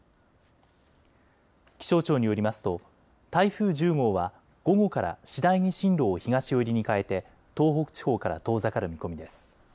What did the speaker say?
気象庁によりますと台風１０号は午後から次第に進路を東寄りに変えて東北地方から遠ざかる見込みです。